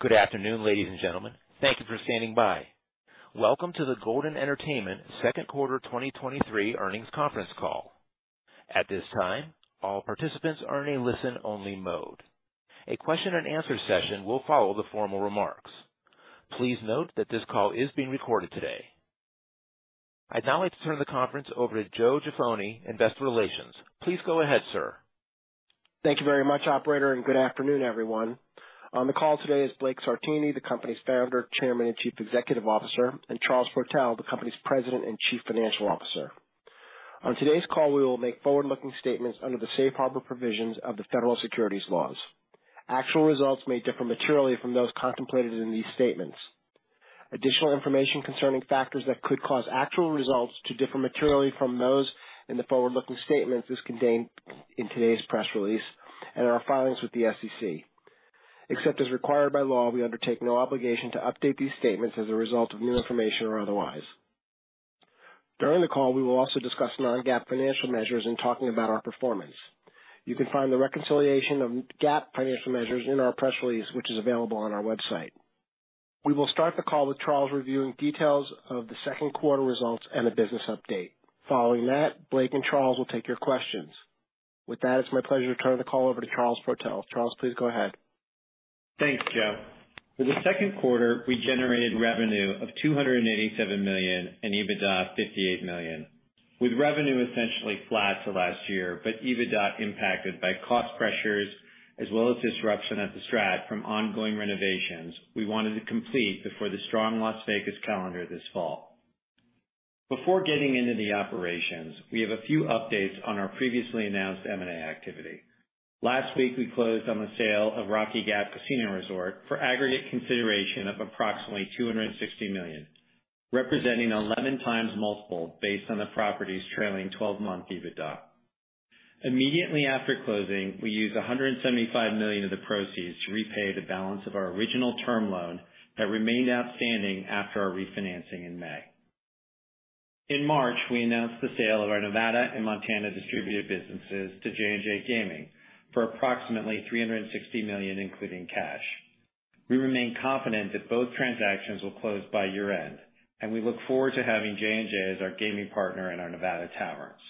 Good afternoon, ladies and gentlemen. Thank you for standing by. Welcome to the Golden Entertainment second quarter 2023 earnings conference call. At this time, all participants are in a listen-only mode. A question and answer session will follow the formal remarks. Please note that this call is being recorded today. I'd now like to turn the conference over to Joe Jaffoni, Investor Relations. Please go ahead, sir. Thank you very much, operator, and good afternoon, everyone. On the call today is Blake Sartini, the company's founder, chairman, and chief executive officer, and Charles Protell, the company's president and chief financial officer. On today's call, we will make forward-looking statements under the safe harbor provisions of the Federal Securities Laws. Actual results may differ materially from those contemplated in these statements. Additional information concerning factors that could cause actual results to differ materially from those in the forward-looking statements is contained in today's press release and our filings with the SEC. Except as required by law, we undertake no obligation to update these statements as a result of new information or otherwise. During the call, we will also discuss non-GAAP financial measures in talking about our performance. You can find the reconciliation of GAAP financial measures in our press release, which is available on our website. We will start the call with Charles reviewing details of the second quarter results and a business update. Following that, Blake and Charles will take your questions. With that, it's my pleasure to turn the call over to Charles Protell. Charles, please go ahead. Thanks, Joe. For the second quarter, we generated revenue of $287 million and EBITDA of $58 million, with revenue essentially flat to last year, EBITDA impacted by cost pressures as well as disruption at The STRAT from ongoing renovations we wanted to complete before the strong Las Vegas calendar this fall. Before getting into the operations, we have a few updates on our previously announced M&A activity. Last week, we closed on the sale of Rocky Gap Casino Resort for aggregate consideration of approximately $260 million, representing an 11x multiple based on the property's trailing twelve-month EBITDA. Immediately after closing, we used $175 million of the proceeds to repay the balance of our original term loan that remained outstanding after our refinancing in May. In March, we announced the sale of our Nevada and Montana distributed businesses to J&J Gaming for approximately $360 million, including cash. We remain confident that both transactions will close by year-end, and we look forward to having J&J as our gaming partner in our Nevada taverns.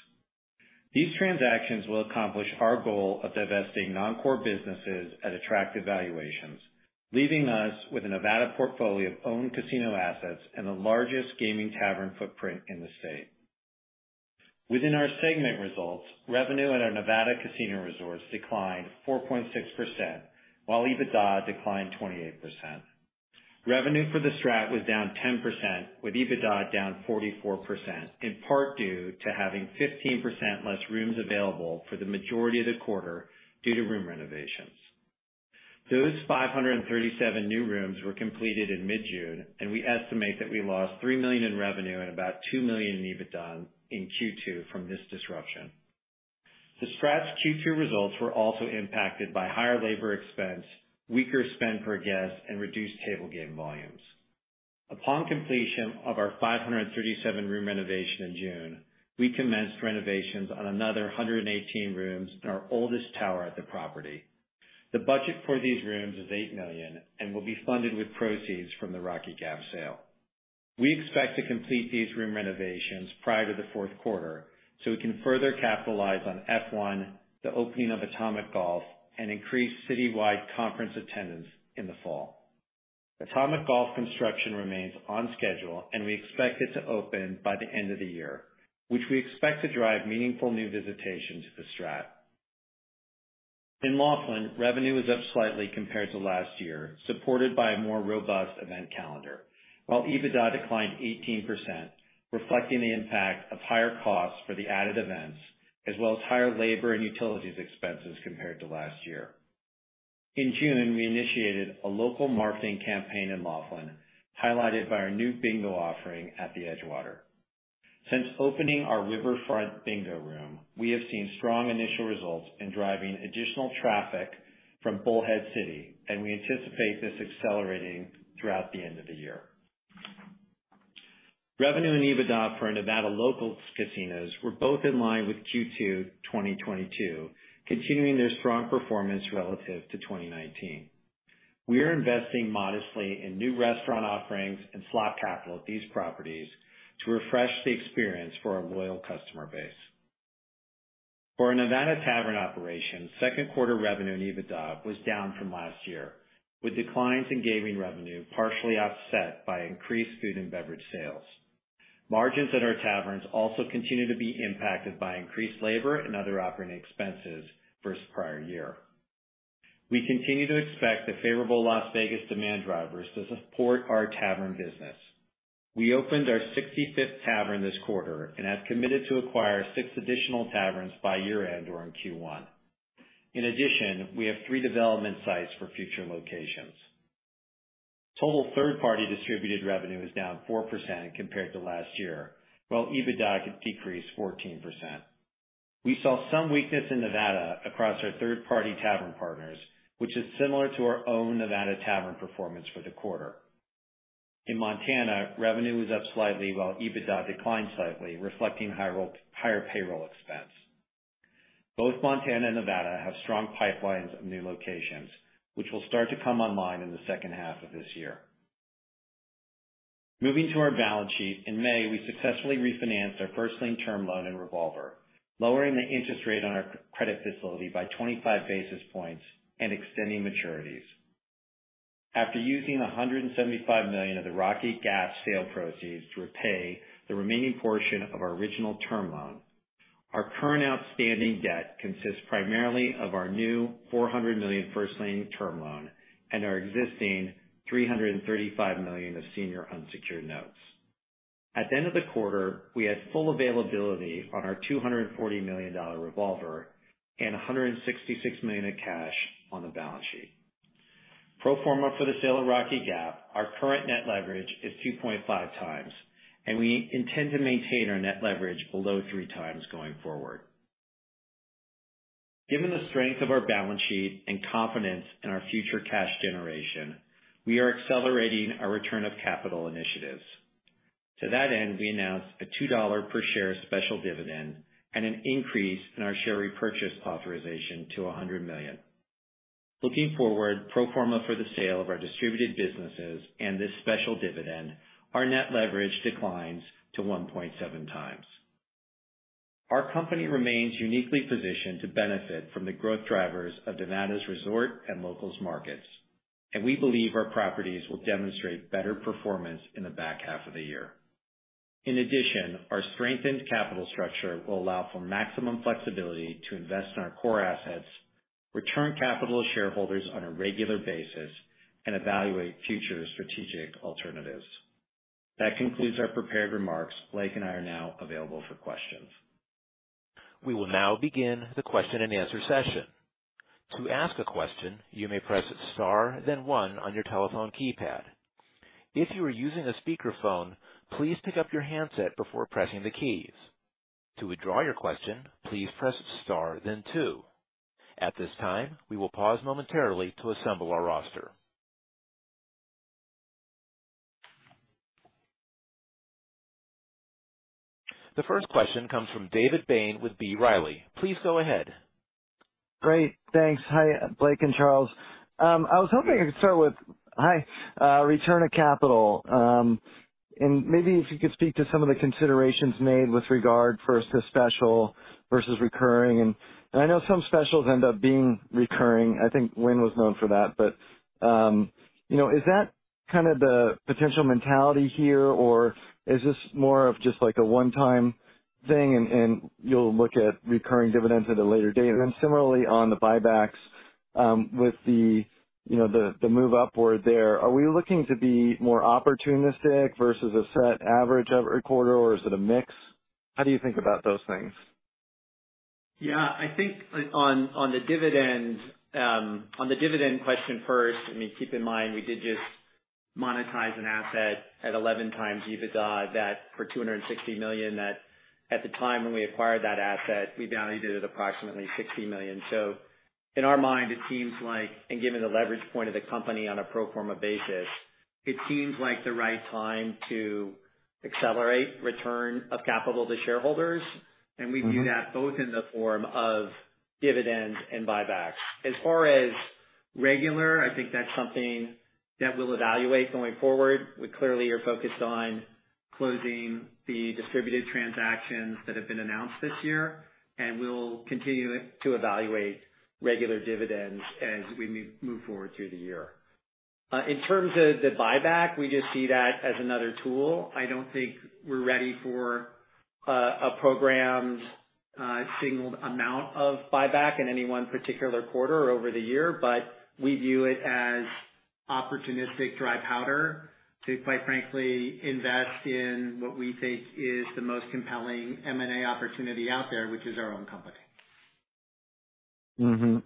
These transactions will accomplish our goal of divesting non-core businesses at attractive valuations, leaving us with a Nevada portfolio of owned casino assets and the largest gaming tavern footprint in the state. Within our segment results, revenue at our Nevada casino resorts declined 4.6%, while EBITDA declined 28%. Revenue for The STRAT was down 10%, with EBITDA down 44%, in part due to having 15% less rooms available for the majority of the quarter due to room renovations. Those 537 new rooms were completed in mid-June. We estimate that we lost $3 million in revenue and about $2 million in EBITDA in Q2 from this disruption. The STRAT's Q2 results were also impacted by higher labor expenses, weaker spend per guest, and reduced table game volumes. Upon completion of our 537-room renovation in June, we commenced renovations on another 118 rooms in our oldest tower at the property. The budget for these rooms is $8 million and will be funded with proceeds from the Rocky Gap sale. We expect to complete these room renovations prior to the fourth quarter so we can further capitalize on F1, the opening of Atomic Golf, and increased citywide conference attendance in the fall. Atomic Golf construction remains on schedule; we expect it to open by the end of the year, which we expect to drive meaningful new visitation to the STRAT. In Laughlin, revenue was up slightly compared to last year, supported by a more robust event calendar, while EBITDA declined 18%, reflecting the impact of higher costs for the added events, as well as higher labor and utilities expenses compared to last year. In June, we initiated a local marketing campaign in Laughlin, highlighted by our new bingo offering at the Edgewater. Since opening our riverfront bingo room, we have seen strong initial results in driving additional traffic from Bullhead City; we anticipate this accelerating throughout the end of the year. Revenue and EBITDA for our Nevada local casinos were both in line with Q2 2022, continuing their strong performance relative to 2019. We are investing modestly in new restaurant offerings and slot capital at these properties to refresh the experience for our loyal customer base. For our Nevada tavern operation, second quarter revenue and EBITDA was down from last year, with declines in gaming revenue partially offset by increased food and beverage sales. Margins at our taverns also continue to be impacted by increased labor and other operating expenses versus the prior year. We continue to expect the favorable Las Vegas demand drivers to support our tavern business. We opened our 65th tavern this quarter and have committed to acquire six additional taverns by year-end or in Q1. In addition, we have three development sites for future locations. Total third-party distributed revenue is down 4% compared to last year, while EBITDA decreased 14%. We saw some weakness in Nevada across our third-party tavern partners, which is similar to our own Nevada tavern performance for the quarter. In Montana, revenue was up slightly, while EBITDA declined slightly, reflecting higher payroll expense. Both Montana and Nevada have strong pipelines of new locations, which will start to come online in the second half of this year. Moving to our balance sheet, in May, we successfully refinanced our first lien term loan and revolver, lowering the interest rate on our credit facility by 25 basis points and extending maturities. After using $175 million of the Rocky Gap sale proceeds to repay the remaining portion of our original term loan, our current outstanding debt consists primarily of our new $400 million first lien term loan and our existing $335 million of senior unsecured notes. At the end of the quarter, we had full availability on our $240 million revolver and $166 million in cash on the balance sheet. Pro forma for the sale of Rocky Gap, our current net leverage is 2.5x, and we intend to maintain our net leverage below 3x going forward. Given the strength of our balance sheet and confidence in our future cash generation, we are accelerating our return of capital initiatives. To that end, we announced a $2 per share special dividend and an increase in our share repurchase authorization to $100 million. Looking forward, pro forma for the sale of our distributed businesses and this special dividend, our net leverage declines to 1.7x. Our company remains uniquely positioned to benefit from the growth drivers of Nevada's resort and local markets, and we believe our properties will demonstrate better performance in the back half of the year. In addition, our strengthened capital structure will allow for maximum flexibility to invest in our core assets, return capital to shareholders on a regular basis, and evaluate future strategic alternatives. That concludes our prepared remarks. Blake and I are now available for questions. We will now begin the question-and-answer session. To ask a question, you may press star one on your telephone keypad. If you are using a speakerphone, please pick up your handset before pressing the keys. To withdraw your question, please press star two. At this time, we will pause momentarily to assemble our roster. The first question comes from David Bain with B. Riley. Please go ahead. Great! Thanks. Hi, Blake and Charles. I was hoping I could start with, Hi, return of capital, and maybe if you could speak to some of the considerations made with regard first to special versus recurring, and I know some specials end up being recurring. I think Wynn Resorts was known for that, but, you know, is that kind of the potential mentality here, or is this more of just like a one-time thing, and you'll look at recurring dividends at a later date? Then similarly on the buybacks, with the, you know, move upward there, are we looking to be more opportunistic versus a set average every quarter, or is it a mix? How do you think about those things? Yeah, I think on, on, on the dividend, on the dividend question first, I mean, keep in mind, we did just monetize an asset at 11x EBITDA that for $260 million, that at the time when we acquired that asset, we valued it at approximately $60 million. In our mind, it seems like, and given the leverage point of the company on a pro forma basis, it seems like the right time to accelerate return of capital to shareholders. Mm-hmm. We do that both in the form of dividends and buybacks. As far as regular, I think that's something that we'll evaluate going forward. We clearly are focused on closing the distributed transactions that have been announced this year, and we'll continue to evaluate regular dividends as we move forward through the year. In terms of the buyback, we just see that as another tool. I don't think we're ready for a programmed, signaled amount of buyback in any one particular quarter or over the year, but we view it as opportunistic dry powder to, quite frankly, invest in what we think is the most compelling M&A opportunity out there, which is our own company.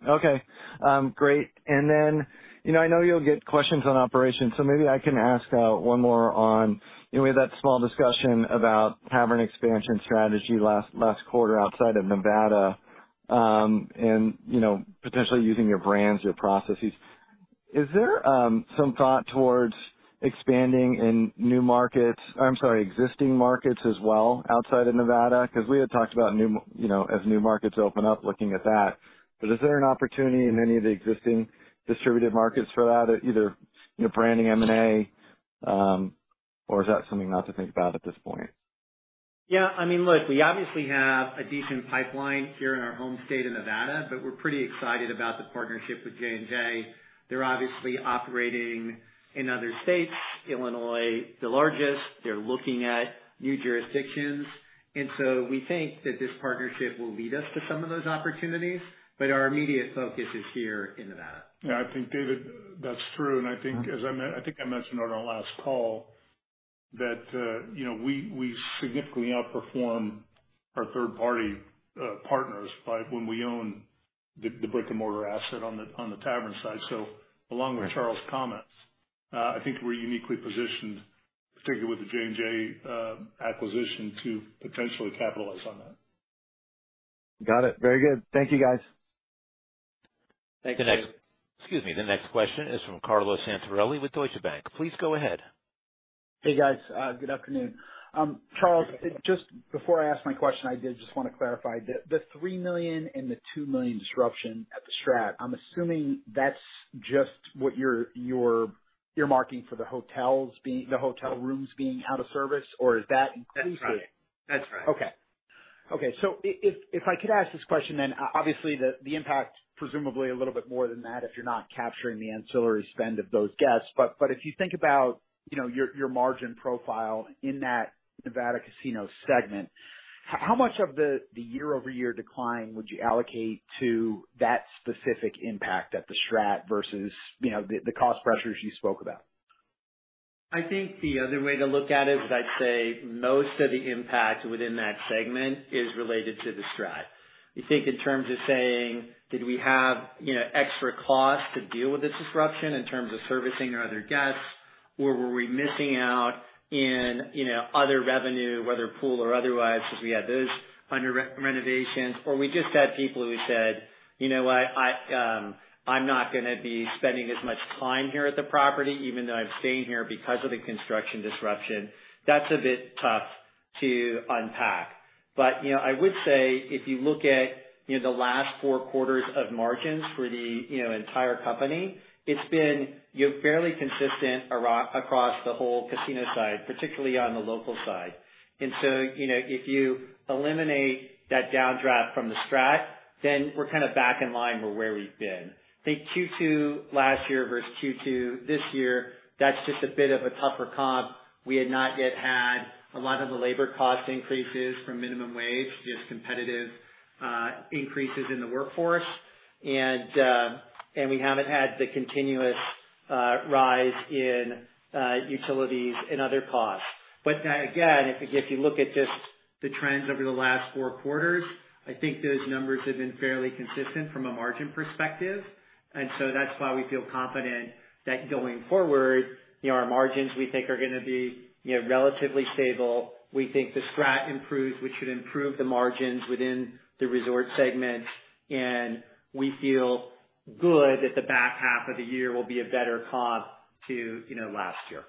Okay. Great. Then, you know, I know you'll get questions on operations, so maybe I can ask one more on. You know, we had that small discussion about tavern expansion strategy last, last quarter outside of Nevada, and, you know, potentially using your brands, your processes. Is there some thought towards expanding in new markets? I'm sorry, existing markets as well, outside of Nevada? Because we had talked about new, you know, as new markets open up, looking at that. But is there an opportunity in any of the existing distributed markets for that, either, you know, branding, M&A, or is that something not to think about at this point? Yeah, I mean, look, we obviously have a decent pipeline here in our home state of Nevada, but we're pretty excited about the partnership with J&J. They're obviously operating in other states, Illinois, the largest. They're looking at new jurisdictions. We think that this partnership will lead us to some of those opportunities. Our immediate focus is here in Nevada. Yeah, I think, David, that's true. Mm-hmm. I think, as I think I mentioned on our last call, that, you know, we, we significantly outperform our third-party partners by when we own the, the brick-and-mortar asset on the, on the tavern side. Right. Along with Charles' comments, I think we're uniquely positioned, particularly with the J&J acquisition, to potentially capitalize on that. Got it. Very good. Thank you, guys. Thank you. Excuse me, the next question is from Carlo Santarelli with Deutsche Bank. Please go ahead. Hey, guys. Good afternoon. Charles, just before I ask my question, I did just want to clarify: the $3 million and the $2 million disruption at the STRAT, I'm assuming that's just what you're, you're, you're marking for the hotel rooms being out of service, or is that inclusive? That's right. That's right. Okay. Okay, if, if I could ask this question, obviously, the, the impact presumably a little bit more than that if you're not capturing the ancillary spend of those guests. But if you think about, you know, your, your margin profile in that Nevada casino segment, how much of the, the year-over-year decline would you allocate to that specific impact at the STRAT versus, you know, the, the cost pressures you spoke about? I think the other way to look at it is I'd say most of the impact within that segment is related to The STRAT. You think in terms of saying, did we have, you know, extra costs to deal with this disruption in terms of servicing our other guests? Or were we missing out in, you know, other revenue, whether pool or otherwise, because we had those under renovation, or we just had people who said, "You know what? I, I'm not gonna be spending as much time here at the property, even though I'm staying here because of the construction disruption." That's a bit tough to unpack. You know, I would say, if you look at, you know, the last four quarters of margins for the, you know, entire company, it's been, you know, fairly consistent across the whole casino side, particularly on the local side. You know, if you eliminate that downdraft from the STRAT, then we're kind of back in line with where we've been. I think Q2 last year versus Q2 this year, that's just a bit of a tougher comp. We had not yet had a lot of the labor cost increases from minimum wage, just competitive increases in the workforce. We haven't had the continuous rise in utilities and other costs. Again, if, if you look at just the trends over the last four quarters, I think those numbers have been fairly consistent from a margin perspective. So that's why we feel confident that going forward, you know, our margins, we think, are gonna be, you know, relatively stable. We think the STRAT improves, which should improve the margins within the resort segment, and we feel good that the back half of the year will be a better comp to, you know, last year.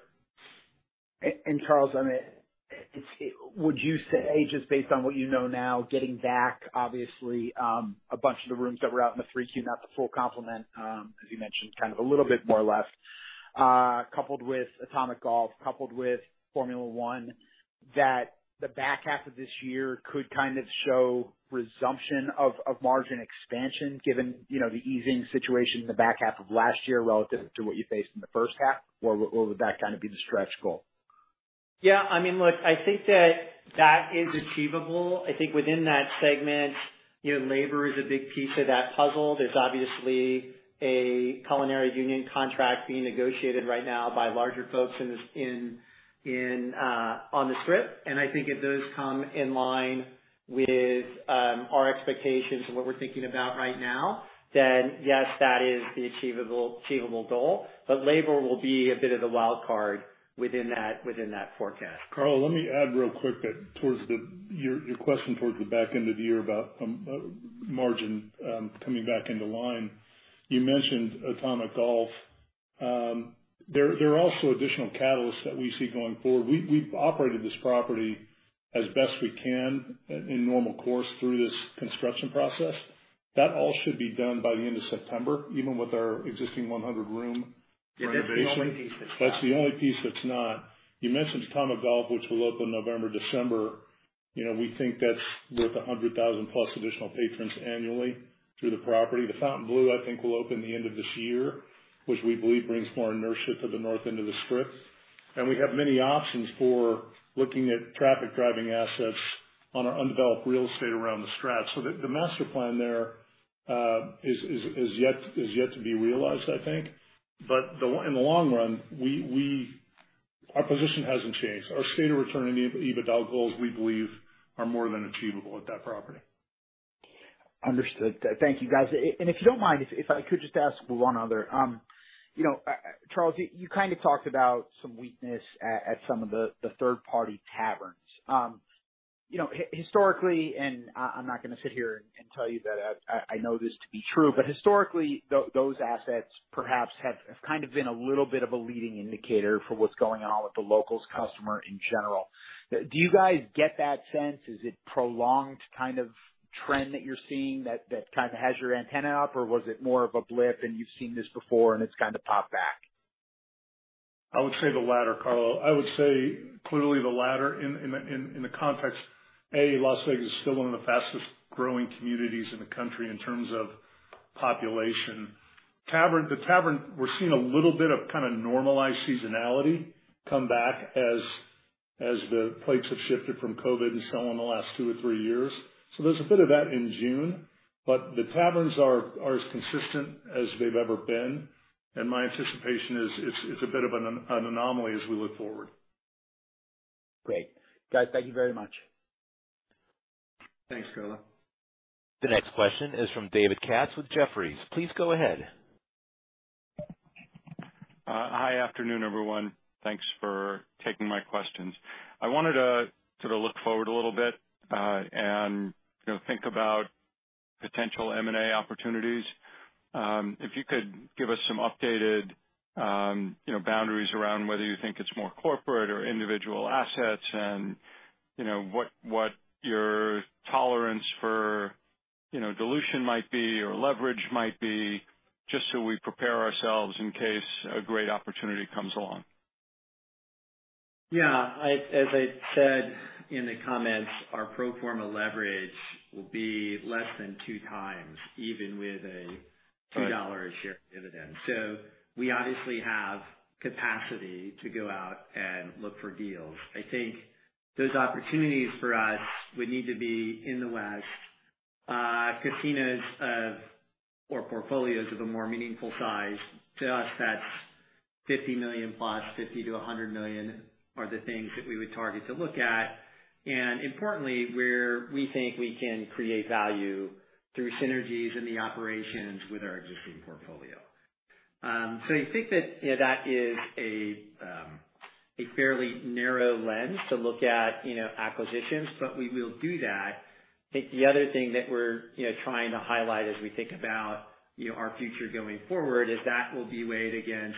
Charles, I mean, would you say, just based on what you know now, getting back, obviously, a bunch of the rooms that were out in the 3Q, not the full complement, as you mentioned, kind of a little bit more or less, coupled with Atomic Golf, coupled with Formula 1, that the back half of this year could kind of show resumption of, of margin expansion, given, you know, the easing situation in the back half of last year relative to what you faced in the first half? Or, or would that kind of be the stretch goal? Yeah, I mean, look, I think that that is achievable. I think within that segment, you know, labor is a big piece of that puzzle. There's obviously a Culinary Union contract being negotiated right now by larger folks in this, on the Strip. I think if those come in line with our expectations and what we're thinking about right now, then, yes, that is the achievable goal. Labor will be a bit of the wild card within that forecast. Carl, let me add real quick that towards your question towards the back end of the year about margin coming back into line. You mentioned Atomic Golf. There are also additional catalysts that we see going forward. We've operated this property as best we can in the normal course through this construction process. That all should be done by the end of September, even with our existing 100-room renovation. Yeah, that's the only piece that's not. That's the only piece that's not. You mentioned Atomic Golf, which will open in November, December. You know, we think that's worth 100,000-plus additional patrons annually through the property. The Fontainebleau, I think, will open at the end of this year, which we believe brings more inertia to the north end of the Strip. We have many options for looking at traffic-driving assets on our undeveloped real estate around the STRAT. The master plan there is yet to be realized, I think. In the long run, we, our position hasn't changed. Our rate of return and EBITDA goals, we believe, are more than achievable at that property. Understood. Thank you, guys. And if you don't mind, if, if I could just ask one other. You know, Charles, you, you kind of talked about some weakness at, at some of the, the third-party taverns. You know, historically, and I, I'm not gonna sit here and tell you that I, I, I know this to be true, but historically, those assets perhaps have kind of been a little bit of a leading indicator for what's going on with the locals customer in general. Do you guys get that sense? Is it a prolonged kind of trend that you're seeing that, that kind of has your antenna up, or was it more of a blip, and you've seen this before, and it's kind of popped back? I would say the latter, Carlo. I would say clearly the latter in, in the, in, in the context, A, Las Vegas is still one of the fastest growing communities in the country in terms of population. Tavern, the tavern, we're seeing a little bit of kind of normalized seasonality come back as, as the plates have shifted from COVID and so on in the last two or three years. There's a bit of that in June, but the taverns are, are as consistent as they've ever been, and my anticipation is, it's, it's a bit of an, an anomaly as we look forward. Great. Guys, thank you very much. Thanks, Carlo. The next question is from David Katz with Jefferies. Please go ahead. Good afternoon, everyone. Thanks for taking my questions. I wanted to sort of look forward a little bit and, you know, think about potential M&A opportunities. If you could give us some updated, you know, boundaries around whether you think it's more corporate or individual assets and, you know, what, what your tolerance for, you know, dilution might be or leverage might be, just so we prepare ourselves in case a great opportunity comes along. Yeah, I, as I said in the comments, our pro forma leverage will be less than 2x, even with a $2 a share dividend. We obviously have the capacity to go out and look for deals. I think those opportunities for us would need to be in the West. Casinos of, or portfolios of a more meaningful size, to us—that's $50 million plus, $50 million-$100 million—are the things that we would target to look at. Importantly, where we think we can create value through synergies in the operations with our existing portfolio. I think that, you know, that is a, a fairly narrow lens to look at, you know, acquisitions, but we will do that. I think the other thing that we're, you know, trying to highlight as we think about, you know, our future going forward, is that will be weighed against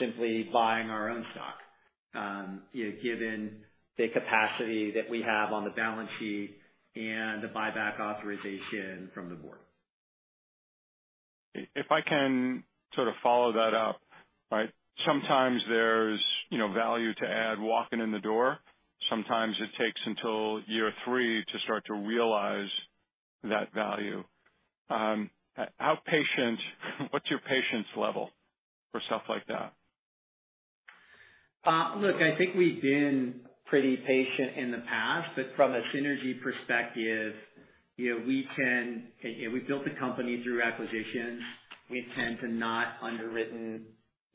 simply buying our own stock, you know, given the capacity that we have on the balance sheet and the buyback authorization from the board. If I can sort of follow that up, right. Sometimes there's, you know, value to add walking in the door. Sometimes it takes until year three to start to realize that value. How patient, what's your patience level for stuff like that? Look, I think we've been pretty patient in the past, but from a synergy perspective, you know, we tend. We built the company through acquisitions. We tend to not underwrite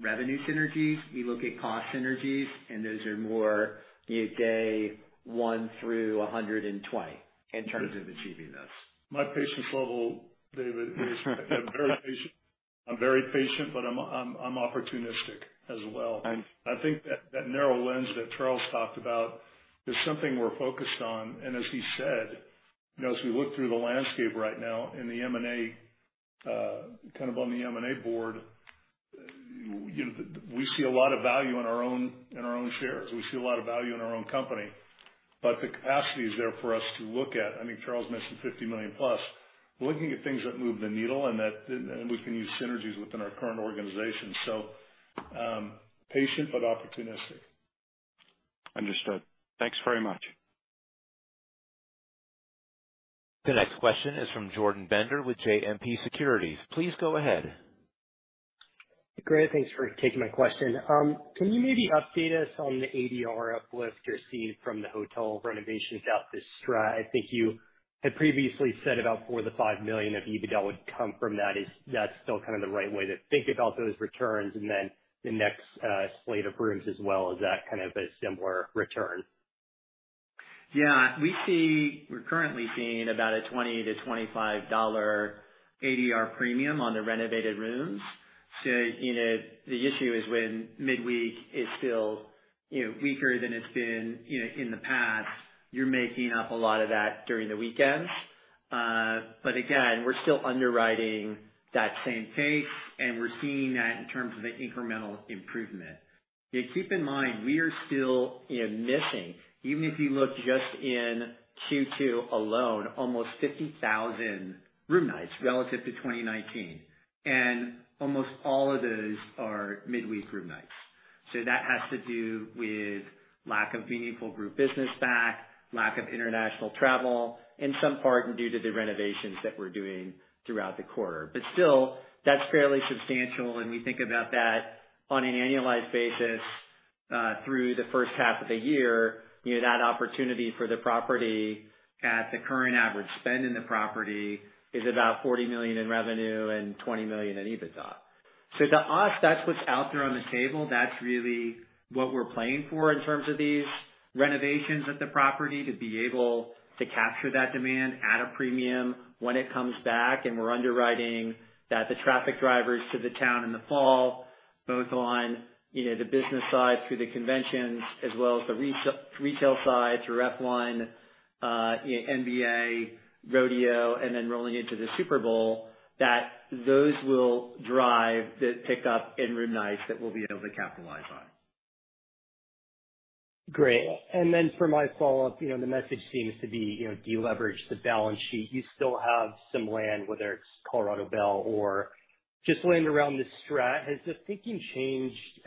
revenue synergies. We look at cost synergies, and those are more, you know, day one through 120 in terms of achieving this. My patience level, David, is I'm very patient. I'm very patient, but I'm, I'm, I'm opportunistic as well. Right. I think that, that narrow lens that Charles talked about is something we're focused on. As he said, you know, as we look through the landscape right now in the M&A, kind of on the M&A board, you know, we see a lot of value in our own, in our own shares. We see a lot of value in our own company, but the capacity is there for us to look at. I think Charles mentioned $50 million plus; we're looking at things that move the needle and that, and, and we can use synergies within our current organization. Patient, but opportunistic. Understood. Thanks very much. The next question is from Jordan Bender, with JMP Securities. Please go ahead. Great, thanks for taking my question. Can you maybe update us on the ADR uplift you're seeing from the hotel renovations out at The STRAT? I think you had previously said about $4 million-$5 million of EBITDA would come from that. Is that still kind of the right way to think about those returns? Then the next slate of rooms as well—is that kind of a similar return? Yeah. We're currently seeing about a $20-$25 ADR premium on the renovated rooms. The issue is when midweek is still, you know, weaker than it's been, you know, in the past, you're making up a lot of that during the weekends. Again, we're still underwriting that same pace, and we're seeing that in terms of the incremental improvement. Keep in mind, we are still, you know, missing, even if you look just in Q2 alone, almost 50,000 room nights relative to 2019, and almost all of those are midweek room nights. That has to do with lack of meaningful group business back, a lack of international travel, in some part due to the renovations that we're doing throughout the quarter. Still, that's fairly substantial, and we think about that on an annualized basis through the first half of the year. You know, that opportunity for the property at the current average spend in the property is about $40 million in revenue and $20 million in EBITDA. To us, that's what's out there on the table. That's really what we're playing for in terms of these renovations at the property: to be able to capture that demand at a premium when it comes back. We're underwriting that the traffic drivers to the town in the fall, both on, you know, the business side through the conventions, as well as the retail side, through F1, NBA, rodeo, and then rolling into the Super Bowl, that those will drive the pickup in room nights that we'll be able to capitalize on. Great. Then for my follow-up, you know, the message seems to be, you know, deleverage the balance sheet. You still have some land, whether it's Colorado Belle or just land around the STRAT. Has the thinking changed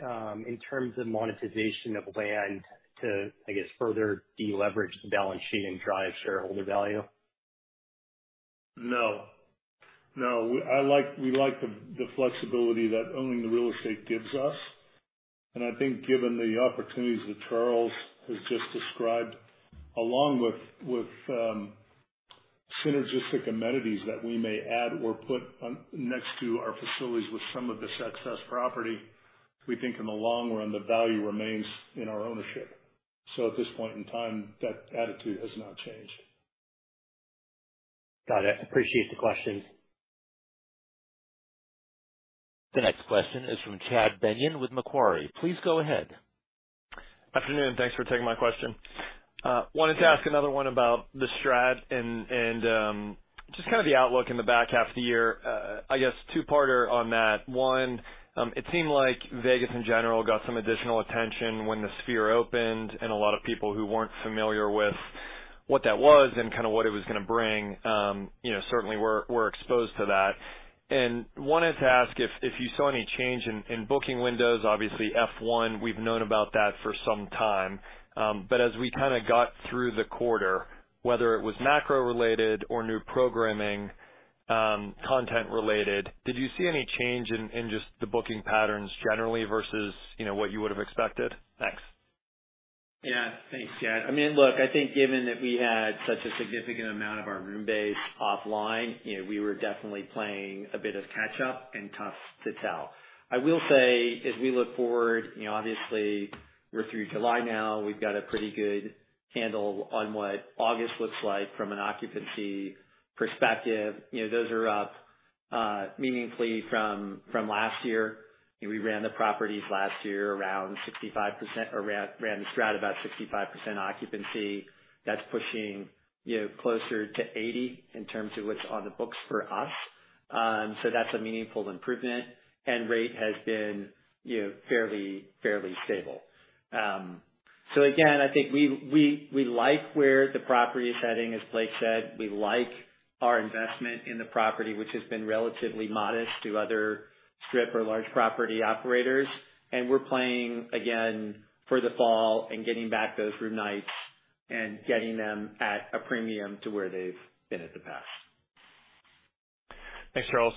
in terms of monetization of land to, I guess, further deleverage the balance sheet and drive shareholder value? No. No, we, I like, we like the, the flexibility that owning the real estate gives us, and I think given the opportunities that Charles has just described, along with, with, synergistic amenities that we may add or put on next to our facilities with some of this excess property, we think in the long run, the value remains in our ownership. At this point in time, that attitude has not changed. Got it. Appreciate the questions. The next question is from Chad Beynon with Macquarie. Please go ahead. Afternoon, thanks for taking my question. I wanted to ask another one about The STRAT and, and, just kind of the outlook in the back half of the year. I guess two-parter on that. One, it seemed like Las Vegas in general got some additional attention when the Sphere opened, and a lot of people who weren't familiar with what that was and kind of what it was going to bring, you know, certainly were, were exposed to that. wanted to ask if, if you saw any change in, in booking windows. Obviously, F1, we've known about that for some time. As we kind of got through the quarter, whether it was macro-related or new programming, content related, did you see any change in, in just the booking patterns generally versus, you know, what you would have expected? Thanks. Yeah. Thanks, Chad. I mean, look, I think given that we had such a significant amount of our room base offline, you know, we were definitely playing a bit of catch up and tough to tell. I will say, as we look forward, you know, obviously we're through July now. We've got a pretty good handle on what August looks like from an occupancy perspective. You know, those are up meaningfully from, from last year. We ran the properties last year around 65% or ran, ran the STRAT about 65% occupancy. That's pushing, you know, closer to 80 in terms of what's on the books for us. So that's a meaningful improvement. Rate has been, you know, fairly, fairly stable. Again, I think we, we, we like where the property is heading. As Blake said, we like our investment in the property, which has been relatively modest to other Strip or large property operators. We're playing again for the fall and getting back those room nights and getting them at a premium to where they've been in the past. Thanks, Charles.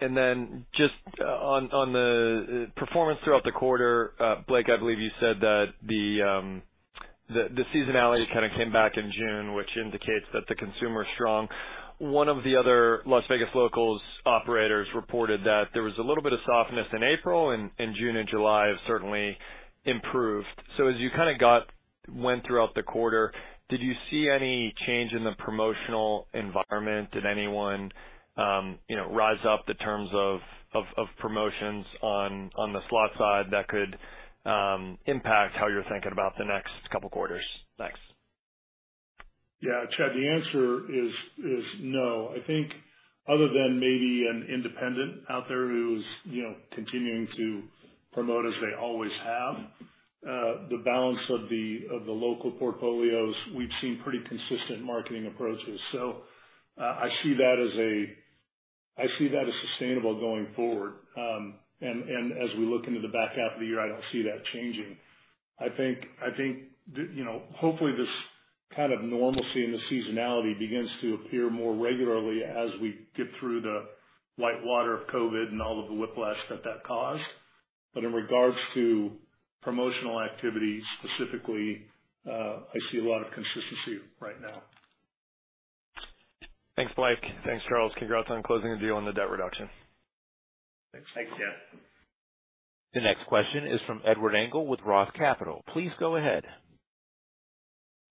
Then, just on, on the, the performance throughout the quarter, Blake, I believe you said that the, the seasonality kind of came back in June, which indicates that the consumer is strong. One of the other Las Vegas locals operators reported that there was a little bit of softness in April, and June and July have certainly improved. As you kind of went throughout the quarter, did you see any change in the promotional environment? Did anyone, you know, rise up the terms of, of, of promotions on, on the slot side that could impact how you're thinking about the next couple quarters? Thanks. Yeah, Chad, the answer is, is no. I think other than maybe an independent out there who's, you know, continuing to promote as they always have, the balance of the, of the local portfolios, we've seen pretty consistent marketing approaches. I see that as sustainable going forward. As we look into the back half of the year, I don't see that changing. I think, I think, you know, hopefully this kind of normalcy in the seasonality begins to appear more regularly as we get through the light water of COVID and all of the whiplash that that caused. In regards to promotional activity specifically, I see a lot of consistency right now. Thanks, Blake. Thanks, Charles. Congrats on closing the deal on the debt reduction. Thanks, Chad. The next question is from Edward Engel with Roth Capital. Please go ahead.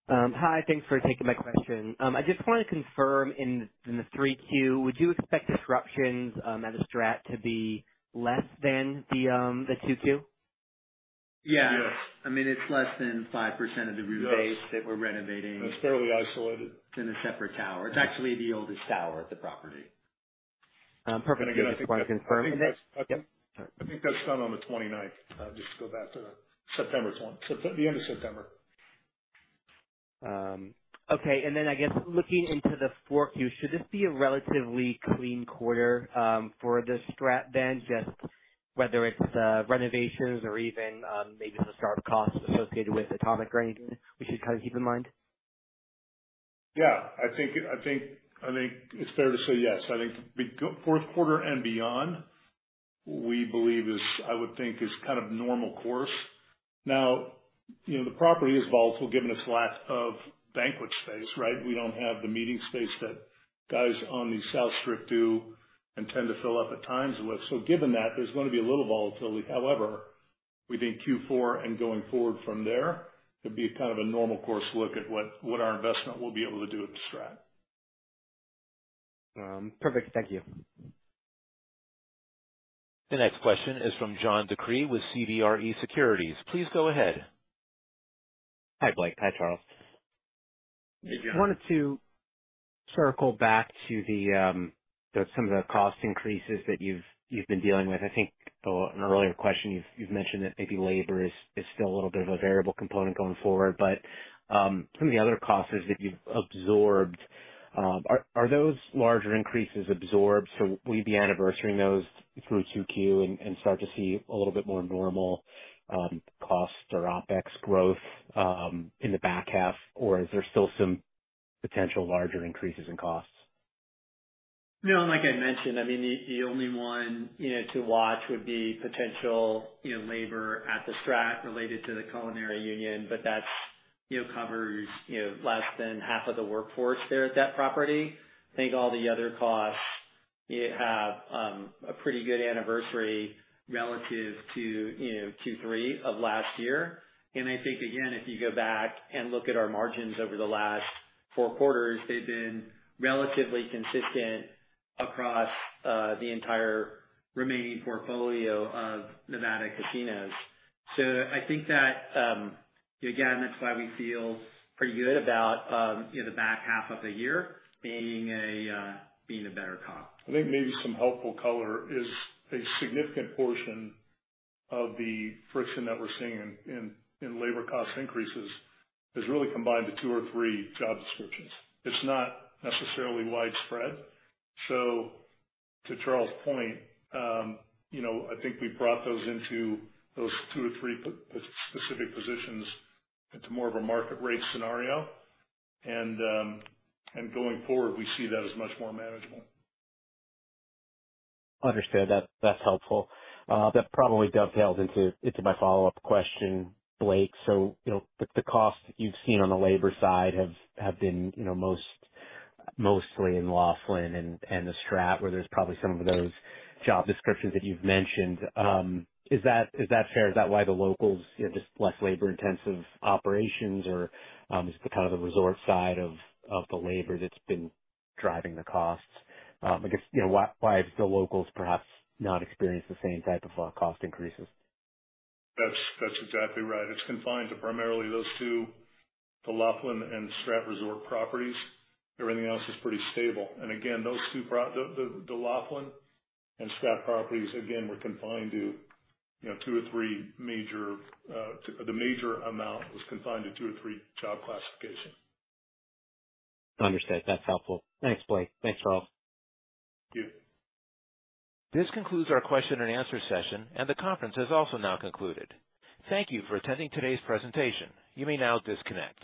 Hi, thanks for taking my question. I just wanted to confirm in, in the 3Q, would you expect disruptions at the STRAT to be less than in the 2Q? Yeah. Yes. I mean, it's less than 5% of the room base. Yes. that we're renovating. It's fairly isolated. It's in a separate tower. It's actually the oldest tower at the property. Perfect. I just wanted to confirm that. Yep. I think that's done on the 29th. Just to go back to the September, the end of September. Okay. I guess, looking into the 4Q, should this be a relatively clean quarter for The STRAT, then? Just whether it's renovations or even maybe the start-up costs associated with Atomic or anything we should kind of keep in mind? Yeah, I think, I think, I think it's fair to say yes. I think the fourth quarter and beyond, we believe, is, I would think, is kind of normal course. Now, you know, the property is volatile given its lack of banquet space, right? We don't have the meeting space that guys on the South Strip do and tend to fill up at times with. Given that, there's going to be a little volatility. However, we think Q4 and going forward from there, it'll be kind of a normal course look at what, what our investment will be able to do at the STRAT. perfect. Thank you. The next question is from John DeCree with CBRE Securities. Please go ahead. Hi, Blake. Hi, Charles. Hey, John. I wanted to circle back to the, some of the cost increases that you've, you've been dealing with. I think on an earlier question, you've, you've mentioned that maybe labor is still a little bit of a variable component going forward, but some of the other costs that you've absorbed, are those larger increases absorbed? We'd be anniversarying those through 2Q and start to see a little bit more normal costs or OpEx growth in the back half? Is there still some potential larger increases in costs? No, like I mentioned, I mean, the, the only one, you know, to watch would be potential, you know, labor at The STRAT related to the Culinary Workers Union, but that's, you know, covers, you know, less than half of the workforce there at that property. I think all the other costs. We have a pretty good anniversary relative to, you know, two, three of last year. I think, again, if you go back and look at our margins over the last four quarters, they've been relatively consistent across the entire remaining portfolio of Nevada casinos. I think that, again, that's why we feel pretty good about, you know, the back half of the year being a being a better comp. I think maybe some helpful color is a significant portion of the friction that we're seeing in labor cost increases is really combined to two or three job descriptions. It's not necessarily widespread. To Charles' point, you know, I think we've brought those into those two or three specific positions into more of a market rate scenario. Going forward, we see that as much more manageable. Understood. That, that's helpful. That probably dovetails into, into my follow-up question, Blake. You know, the, the cost you've seen on the labor side have, have been, you know, most-mostly in Laughlin and, and the STRAT, where there's probably some of those job descriptions that you've mentioned. Is that, is that fair? Is that why the locals, you know, just less labor-intensive operations or, is it kind of the resort side of, of the labor that's been driving the costs? I guess, you know, why, why have the locals perhaps not experienced the same type of, cost increases? That's, that's exactly right. It's confined to primarily those two, the Laughlin and STRAT resort properties. Everything else is pretty stable. Again, those two Laughlin and STRAT properties, again, were confined to, you know, two or three major, the major amount was confined to two or three job classifications. Understood. That's helpful. Thanks, Blake. Thanks, Charles. Thank you. This concludes our question and answer session, and the conference has also now concluded. Thank you for attending today's presentation. You may now disconnect.